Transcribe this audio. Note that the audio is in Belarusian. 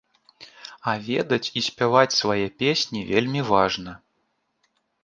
А ведаць і спяваць свае песні вельмі важна.